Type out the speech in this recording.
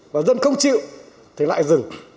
và dân không chịu thì lại dừng